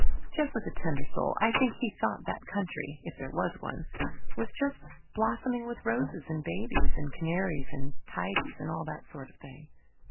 Jeff was a tender soul. I think he thought that country if there was one was just blossoming with roses and babies and canaries and tidies, and all that sort of thing.